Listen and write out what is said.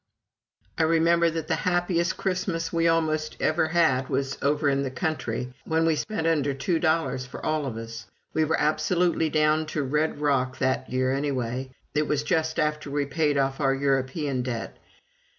I remember that the happiest Christmas we almost ever had was over in the country, when we spent under two dollars for all of us. We were absolutely down to bed rock that year anyway. (It was just after we paid off our European debt.)